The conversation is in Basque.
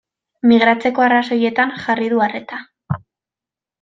Migratzeko arrazoietan jarri du arreta.